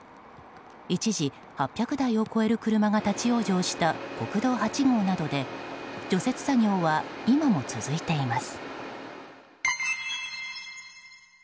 一時、８００台を超える車が立ち往生した国道８号などで除雪作業は今も続いています。